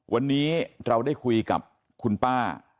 วันนี้เราได้คุยกับคุณป้า